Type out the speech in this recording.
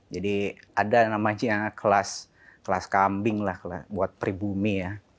jadi ada kelas kambing buat pribumi